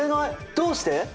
どうして？